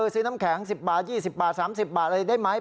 ซื้อน้ำแข็ง๑๐บาท๒๐บาท๓๐บาทอะไรได้ไหม